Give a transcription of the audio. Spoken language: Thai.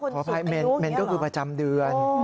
ขออภัยเมนก็คือประจำเดือน